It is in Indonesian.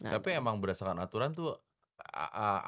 tapi emang berdasarkan aturan tuh